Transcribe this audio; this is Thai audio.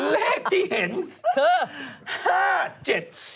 เลขที่เห็นคือ๕๗๒